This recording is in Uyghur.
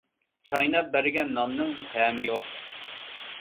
چايناپ بەرگەن ناننىڭ تەمى يوق.